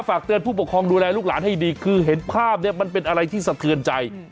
ฝากเตือนผู้ปกครองดูแลลูกหลานให้ดีคือเห็นภาพเนี่ยมันเป็นอะไรที่สะเทือนใจ